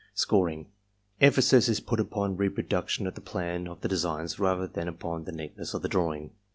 Scoring, — Emphasis is put upon reproduction of the plan of the designs rather than upon the neatness of the drawing.